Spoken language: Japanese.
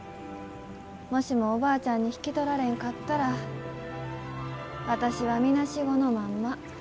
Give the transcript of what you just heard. もしもおばあちゃんに引き取られんかったら私はみなしごのまんま。